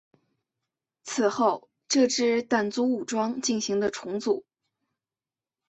此后这支掸族武装进行了重组。